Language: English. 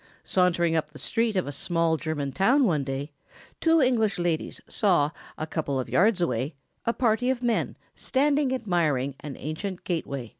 Sauntering up the street of a small German town one day, two English ladies saw, a couple of hundred yards away, a party of men standing admiring an ancient gateway.